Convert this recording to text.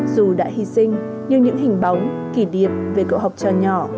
dù đã hy sinh nhưng những hình bóng kỷ niệm về cậu học trò nhỏ